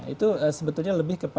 itu sebetulnya lebih ke pasangan